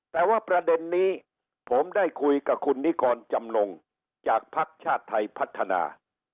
แต่ว่าประเด็นนี้ผมได้คุยกับคุณนิกรจำนงจากภักดิ์ชาติไทยพัฒนา